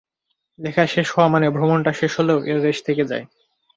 লেখা শেষ হওয়া মানে ভ্রমণটা শেষ হলেও এর রেশ থেকে যায়।